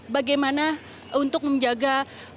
bagaimana untuk menjaga